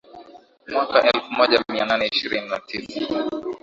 Mwaka elfu moja mia nane ishirini na tisa